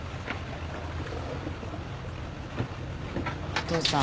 お父さん。